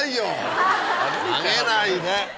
投げないで。